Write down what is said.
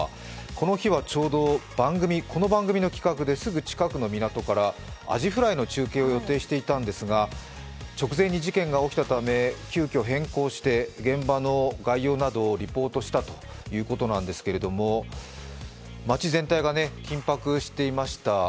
この日はちょうどこの番組の企画で、すぐ近くの港からあじフライの中継を予定していたんですが直前に事件が起きたため急きょ変更して現場の概要などをリポートしたということなんですけど、町全体が緊迫していました。